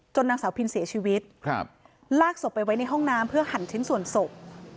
นางสาวพินเสียชีวิตครับลากศพไปไว้ในห้องน้ำเพื่อหั่นชิ้นส่วนศพ